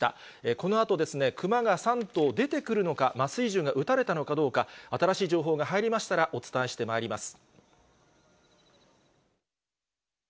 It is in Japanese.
このあと、クマが３頭出てくるのか、麻酔銃が打たれたのかどうか、新しい情報が入りましたら、お伝えしてまいります。